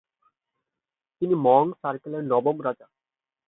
তিনি মং সার্কেলের নবম রাজা।